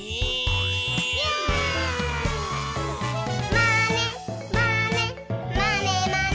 「まねまねまねまね」